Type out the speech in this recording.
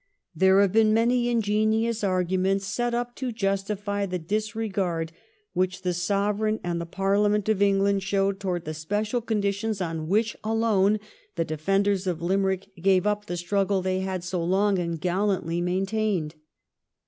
There have been many ingenious arguments set up to justify the disregard which the Sovereign and the Parliament of England showed towards the special conditions on which alone the defenders of Limerick gave up the struggle they had so long and gallantly maintained.